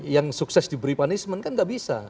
yang sukses diberi punishment kan nggak bisa